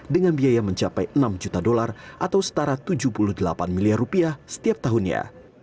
dengan biaya mencapai enam juta dolar atau setara tujuh puluh delapan miliar rupiah setiap tahunnya